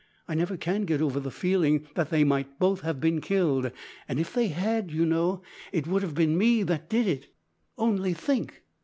I never can get over the feeling that they might both have been killed, and if they had, you know, it would have been me that did it; only think!